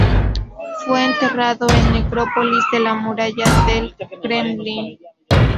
Fue enterrado en Necrópolis de la Muralla del Kremlin.